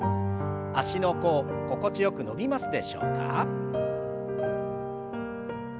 足の甲心地よく伸びますでしょうか？